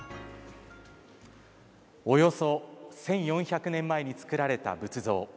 およそ１，４００年前に作られた仏像。